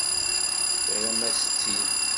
Terram-as-tt-id.